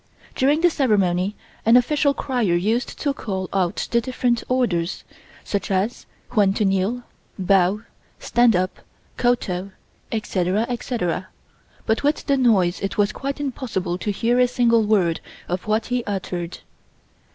During the ceremony, an official crier used to call out the different orders, such as when to kneel, bow, stand up, kowtow, etc., etc., but with the noise it was quite impossible to hear a single word of what he uttered.